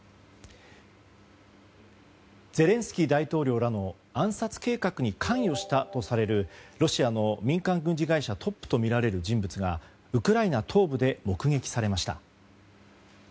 ゼレンスキー大統領らの暗殺計画に関与したとされるロシアの民間軍事会社トップとみられる人物がウクライナ東部で目撃されました。